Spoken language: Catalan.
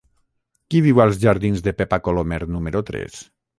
Qui viu als jardins de Pepa Colomer número tres?